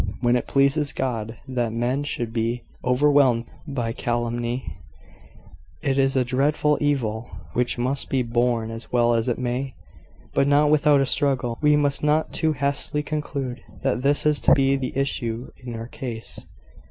When it pleases God that men should be overwhelmed by calumny, it is a dreadful evil which must be borne as well as it may; but not without a struggle. We must not too hastily conclude that this is to be the issue in our case.